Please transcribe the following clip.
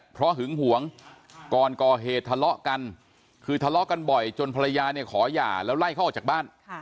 เพราะหึงหวงก่อนก่อเหตุทะเลาะกันคือทะเลาะกันบ่อยจนภรรยาเนี่ยขอหย่าแล้วไล่เขาออกจากบ้าน